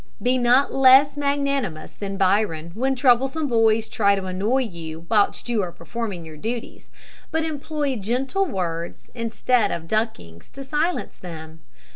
Be not less magnanimous than Byron, when troublesome boys try to annoy you whilst you are performing your duties; but employ gentle words instead of duckings to silence them.